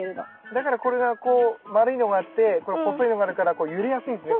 だからこれがこう丸いのがあってこの細いのがあるから揺れやすいんですね